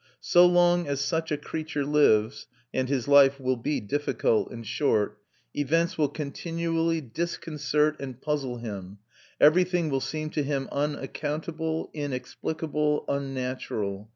So long as such a creature lives and his life will be difficult and short events will continually disconcert and puzzle him; everything will seem to him unaccountable, inexplicable, unnatural.